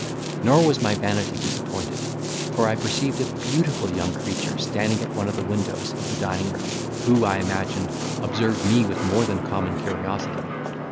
Nor was my vanity disappointed; for I perceived a beautiful young creature standing at one of the windows of the dining room, who, I imagined, observed me with more than common curiosity.